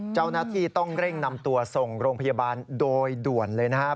เจ้าหน้าที่ต้องเร่งนำตัวส่งโรงพยาบาลโดยด่วนเลยนะครับ